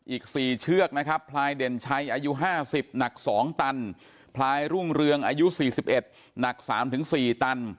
อีก๔เชือกนะครับพลายเด่นชัยอายุ๕๐หนัก๒ตันพลายรุ่งเรืองอายุ๔๑หนัก๓๔ตัน